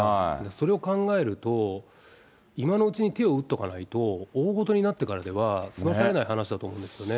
それを考えると、今のうちに手を打っておかないと、大事になってからでは済まされない話だと思うんですけどね。